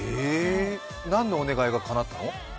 何のお願いがかなったの？